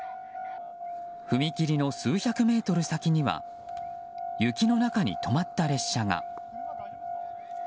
踏切の数百メートル先には雪の中に止まった列車が。